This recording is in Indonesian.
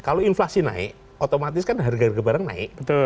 kalau inflasi naik otomatis kan harga harga barang naik